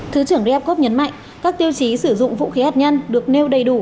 thứ trưởng ryabkov nhấn mạnh các tiêu chí sử dụng vũ khí hạt nhân được nêu đầy đủ